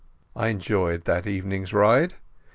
_" I enjoyed that evening's ride.